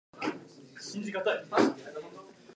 For this reason none of us must abandon his post.